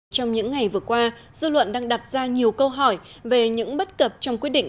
trong những ngày vừa qua dư luận đang đặt ra nhiều câu hỏi về những bất cập trong quyết định